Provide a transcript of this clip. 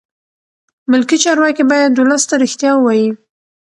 ملکي چارواکي باید ولس ته رښتیا ووایي.